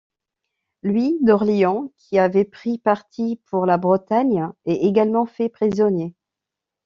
Louis d'Orléans, qui avait pris parti pour la Bretagne, est également fait prisonnier.